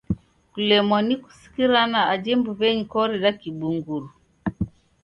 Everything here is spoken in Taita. Kulemwa ni kusikirana aja mbuw'enyi koreda kibunguru.